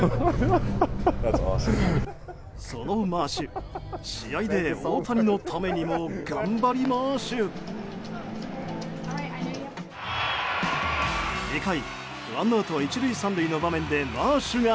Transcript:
そのマーシュ、試合で大谷のためにも頑張りマーシュ！２回ワンアウト１塁３塁の場面でマーシュが。